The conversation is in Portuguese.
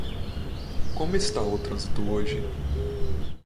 Como está o trânsito hoje?